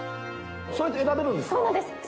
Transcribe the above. それって選べるんですか？